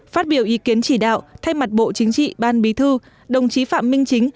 phát biểu ý kiến chỉ đạo thay mặt bộ chính trị ban bí thư đồng chí phạm minh chính